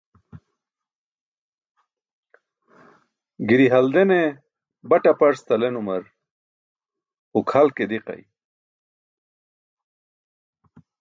Giri haldene bat aparc talenumar huk hal ke diqay.